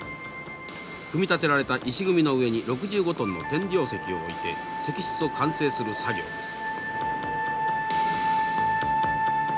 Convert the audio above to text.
組み立てられた石組みの上に６５トンの天井石を置いて石室を完成する作業です。